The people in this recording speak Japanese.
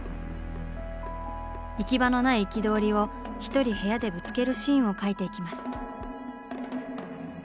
行き場のない憤りを一人部屋でぶつけるシーンを描いていきます。